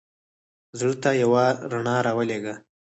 زړه ته یوه رڼا را ولېږه.